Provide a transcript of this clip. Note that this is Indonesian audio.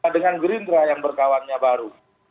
dengan gerindra yang berkawannya baru